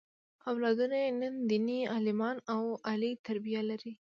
اولادونه یې نن دیني عالمان او عالي تربیه لري.